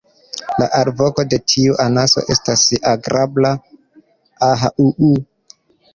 La alvoko de tiu anaso estas agrabla "ah-uu.